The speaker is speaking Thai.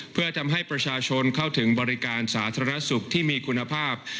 เพื่อทำให้ประชาชนเข้าถึงบริการสาธารณสุขที่มีคุณภาพ